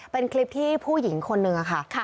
เป็นคลิปที่ผู้หญิงคนนึงค่ะ